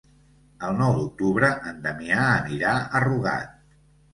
El nou d'octubre en Damià anirà a Rugat.